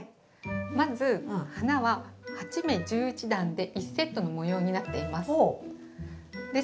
まず花は８目×１１段で１セットの模様になっています。